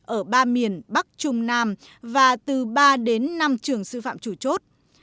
ở ba miền bắc trung nam và từ ba đến năm trường sư phạm chủ chốt